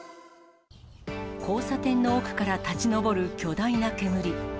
交差点の奥から立ち上る巨大な煙。